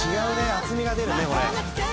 厚みが出るねこれ。